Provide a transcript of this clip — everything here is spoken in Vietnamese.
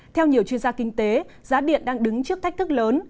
theo nhiều chuyên gia kinh tế giá điện đang đứng trước thách thức lớn